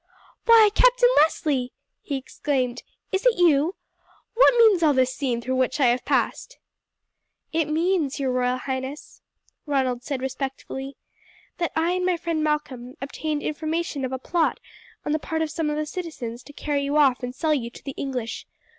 "Why, Captain Leslie!" he exclaimed. "Is it you? What means all this scene through which I have passed?" "It means, your royal highness," Ronald said respectfully, "that I and my friend Malcolm obtained information of a plot on the part of some of the citizens to carry you off and sell you to the English.